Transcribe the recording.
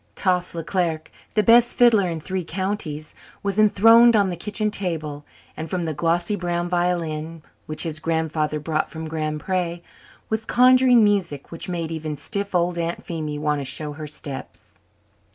Toff Leclerc, the best fiddler in three counties, was enthroned on the kitchen table and from the glossy brown violin, which his grandfather brought from Grand Pré, was conjuring music which made even stiff old Aunt Phemy want to show her steps.